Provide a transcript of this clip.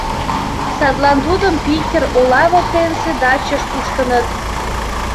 Садлан тудым Питер ола воктенысе дачеш пуштыныт.